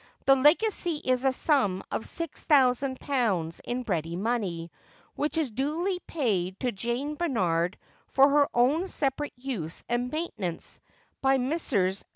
The legacy is the sum of six thousand pounds in ready money, which is duly paid to Jane Barnard for her own separate use and maintenance, by Messrs.